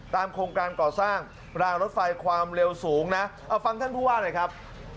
โครงการก่อสร้างรางรถไฟความเร็วสูงนะเอาฟังท่านผู้ว่าหน่อยครับ